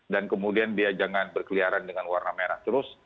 dan kemudian dia jangan berkeliaran dengan warna merah terus